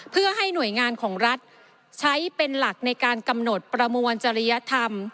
เพื่อให้หน่วยงานของรัฐใช้เป็นหลักในการกำหนดประมวลจริยธรรม